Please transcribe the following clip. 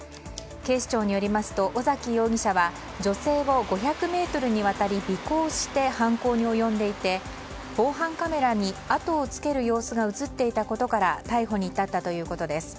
警視庁によりますと尾崎容疑者は女性を５００ｍにわたり尾行して犯行に及んでいて防犯カメラに後をつける様子が映っていたことから逮捕に至ったということです。